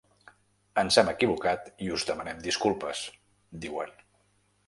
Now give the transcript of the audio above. “Ens hem equivocat i us demanem disculpes”, diuen.